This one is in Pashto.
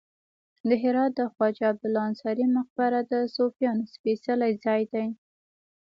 د هرات د خواجه عبدالله انصاري مقبره د صوفیانو سپیڅلی ځای دی